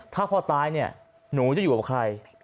ถ้าพ่อตายเนี่ยหนูจะอยู่กับใคร